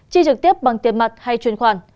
chi trực tiếp bằng tiền mặt hay truyền khoản